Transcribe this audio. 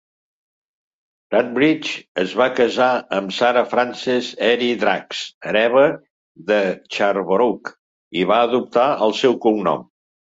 Sawbridge es va casar amb Sarah Frances Erle-Drax, hereva de Charborough, i va adoptar el seu cognom.